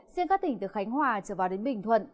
riêng các tỉnh từ khánh hòa trở vào đến bình thuận